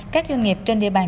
các doanh nghiệp trên địa bàn